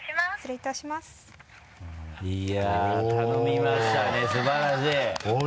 いや頼みましたね素晴らしい。